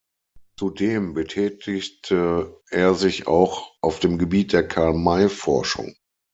Zudem betätigte er sich auch auf dem Gebiet der Karl-May-Forschung.